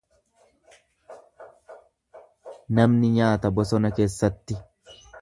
Namoonni nyaata bosona keessatti.